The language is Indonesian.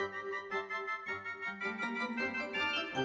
lanjutkan tugas kalian